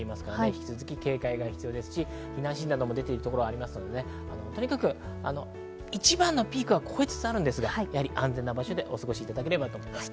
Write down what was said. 引き続き警戒が必要ですし、避難指示などが出ているところがありますので、とにかく一番のピークは越えつつありますが、安全な場所でお過ごしください。